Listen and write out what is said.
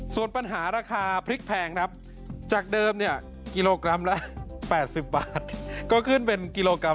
ส่วนปัญหาราคาพริกแพงครับจากเดิมเนี่ยกิโลกรัมละ๘๐บาทก็ขึ้นเป็นกิโลกรัม